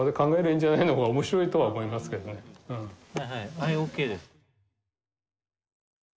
はいＯＫです。